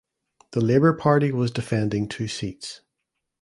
The Labor Party was defending two seats.